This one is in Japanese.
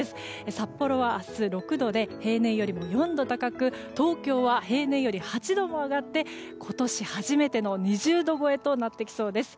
札幌は明日６度で平年よりも４度高く東京は平年より８度も上がって今年初めての２０度超えとなってきそうです。